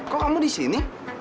kok kamu di sini